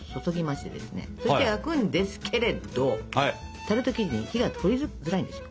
そして焼くんですけれどタルト生地に火が通りづらいんですよ。